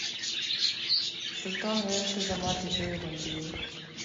سلطان ویل ته زما د زوی غوندې یې.